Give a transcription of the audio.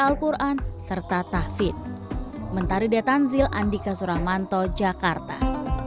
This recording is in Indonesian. alquran serta tafid mentari detanzil andika suramanto jakarta